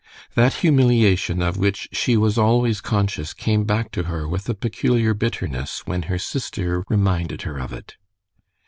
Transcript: That humiliation of which she was always conscious came back to her with a peculiar bitterness when her sister reminded her of it.